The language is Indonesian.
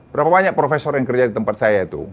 berapa banyak profesor yang kerja di tempat saya itu